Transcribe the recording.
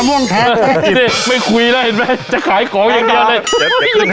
มึงคุยแล้วเห็นไหม